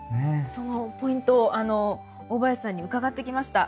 そのポイント大林さんに伺ってきました。